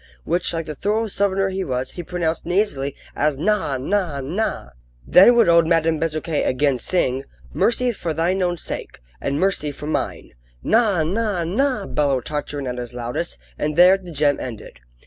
which, like the thorough southerner he was, he pronounced nasally as "Naw! naw! naw!" Then would old Madame Bezuquet again sing: "Mercy for thine own sake, And mercy for mine!" "Naw! naw! naw!" bellowed Tartarin at his loudest, and there the gem ended.